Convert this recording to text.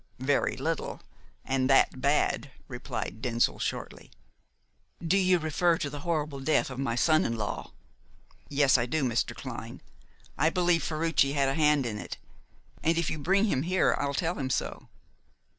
"Very little, and that bad," replied Denzil shortly. "Do you refer to the horrible death of my son in law?" "Yes, I do, Mr. Clyne. I believe Ferruci had a hand in it, and if you bring him here I'll tell him so."